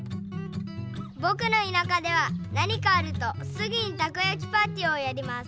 ぼくのいなかでは何かあるとすぐにたこやきパーティーをやります。